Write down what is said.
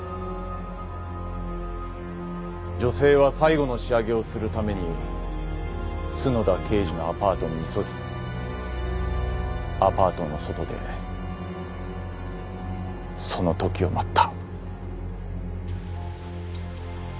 女性は最後の仕上げをするために角田刑事のアパートに急ぎアパートの外でその時を待った。